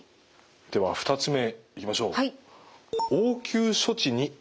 では２つ目いきましょう。